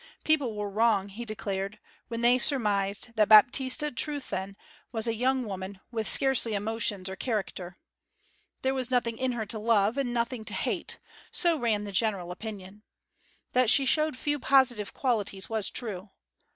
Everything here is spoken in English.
People were wrong, he declared, when they surmised that Baptista Trewthen was a young woman with scarcely emotions or character. There was nothing in her to love, and nothing to hate so ran the general opinion. That she showed few positive qualities was true.